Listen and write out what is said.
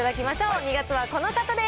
２月はこの方です。